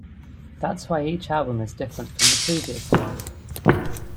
That's why each album is different from the previous one.